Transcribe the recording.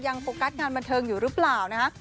โฟกัสงานบันเทิงอยู่หรือเปล่านะฮะ